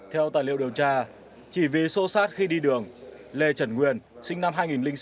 theo tài liệu điều tra chỉ vì xô xát khi đi đường lê trần nguyên sinh năm hai nghìn sáu